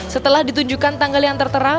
setelah ditunjukkan tanggal yang tertera